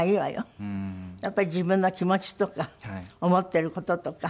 やっぱり自分の気持ちとか思っている事とか。